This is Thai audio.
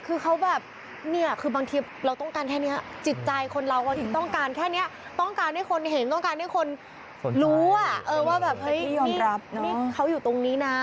คือเขาแบบเนี่ยคือบางทีเราต้องการแค่นี้จิตใจคนเราถึงต้องการแค่นี้ต้องการให้คนเห็นต้องการให้คนรู้ว่าแบบเฮ้ยยอมรับนะนี่เขาอยู่ตรงนี้นะ